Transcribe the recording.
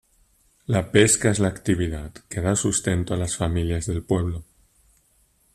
La pesca es la actividad que da sustento a las familias del pueblo.